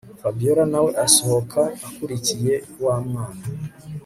Fabiora nawe asohoka akurikiye wamwana